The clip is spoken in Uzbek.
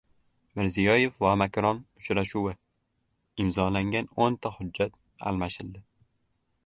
Mirziyoyev va Makron uchrashuvi. Imzolangan o'nta hujjat almashildi